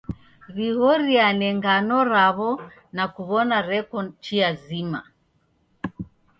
W'ighoriane ngano raw'o na kuw'ona reko chia zima.